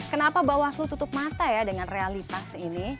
kenapa bawah lu tutup mata ya dengan realitas ini